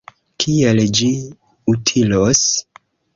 Kiel ĝi utilos?